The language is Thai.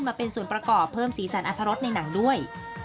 มาเป็นส่วนประกอบเพิ่มสีสันอัธรสในหนังด้วย